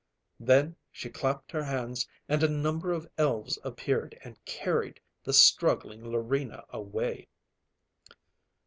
Then, she clapped her hands and a number of elves appeared and carried the struggling Larina away.